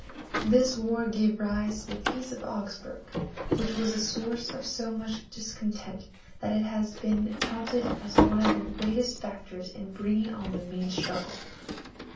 This war gave rise to the Peace of Augsburg, which was a source of so much discontent that it has been counted as one of the great factors in bringing on the main struggle.